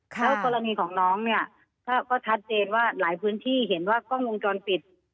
แล้วกรณีของน้องเนี่ยก็ชัดเจนว่าหลายพื้นที่เห็นว่ากล้องวงจรปิด